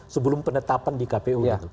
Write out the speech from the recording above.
sebelum penetapan di kpu